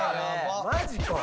マジか⁉